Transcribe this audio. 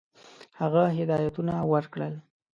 هغه هدایتونه ورکړل.